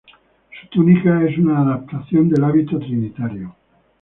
Su túnica es una adaptación del hábito trinitario.